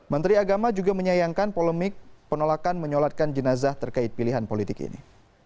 menteri agama juga menyayangkan polemik penolakan menyolatkan jenazah terkait pilihan politik ini